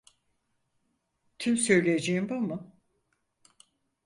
Tüm söyleyeceğin bu mu?